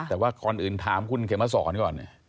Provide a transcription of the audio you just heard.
แต่ว่าก่อนอื่นถามคุณเขมสอนก่อน